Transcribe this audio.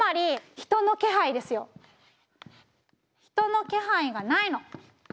人の気配がないの。